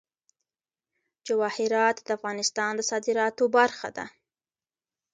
جواهرات د افغانستان د صادراتو برخه ده.